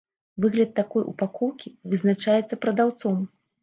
Выгляд такой упакоўкі вызначаецца прадаўцом.